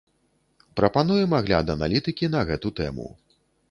Прапануем агляд аналітыкі на гэту тэму.